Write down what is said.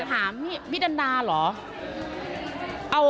ถามพี่ดันดาเหรอ